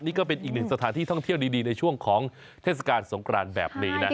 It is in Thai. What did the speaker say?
นี่ก็เป็นอีกหนึ่งสถานที่ท่องเที่ยวดีในช่วงของเทศกาลสงครานแบบนี้นะ